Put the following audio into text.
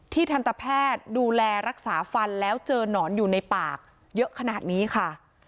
ทันตแพทย์ดูแลรักษาฟันแล้วเจอหนอนอยู่ในปากเยอะขนาดนี้ค่ะ